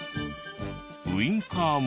ウインカーも。